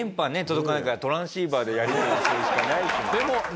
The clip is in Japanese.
届かないからトランシーバーでやりとりするしかないですもんね。